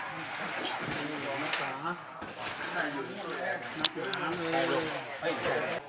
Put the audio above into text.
เพื่อนชายชาย